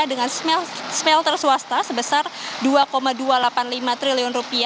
dengan smelter swasta sebesar rp dua dua ratus delapan puluh lima triliun